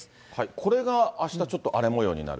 これがあしたちょっと荒れもようになる？